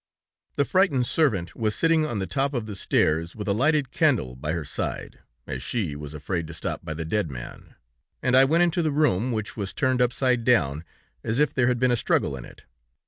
The frightened servant was sitting on the top of the stairs, with a lighted candle by her side, as she was afraid to stop by the dead man, and I went into the room, which was turned upside down, as if there had been a struggle in it.